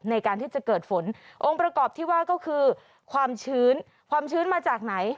ในการที่จะเกิดฝนองค์ประกอบที่ว่าก็คือความชื้นความชื้นมาจากไหน